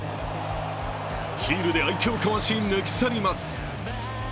ヒールで相手をかわし抜き去ります。